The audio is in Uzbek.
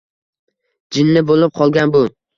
Jinni bo‘lib qolgan bu.